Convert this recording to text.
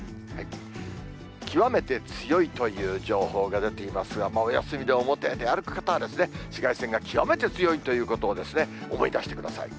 極めて強いという情報が出ていますが、もうお休みで表、出歩く方は、紫外線が極めて強いということを思い出してください。